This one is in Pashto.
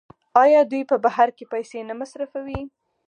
آیا دوی په بهر کې پیسې نه مصرفوي؟